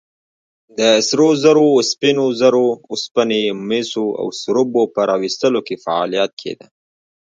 د سرو زرو، سپینو زرو، اوسپنې، مسو او سربو په راویستلو کې فعالیت کېده.